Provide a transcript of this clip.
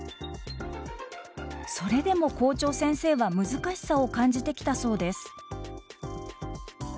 それでも校長先生は難しさを感じてきたそうです。